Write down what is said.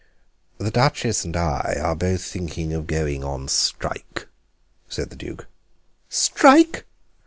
"The Duchess and I are both thinking of going on strike," said the Duke. "Strike!"